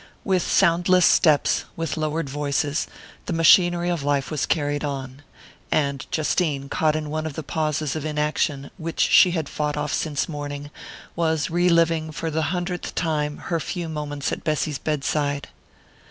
With soundless steps, with lowered voices, the machinery of life was carried on. And Justine, caught in one of the pauses of inaction which she had fought off since morning, was reliving, for the hundredth time, her few moments at Bessy's bedside....